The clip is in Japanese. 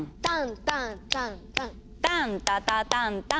タンタタタンタン！